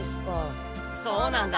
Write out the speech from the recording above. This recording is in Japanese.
そうなんだ。